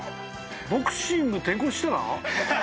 ボクシング転向したら？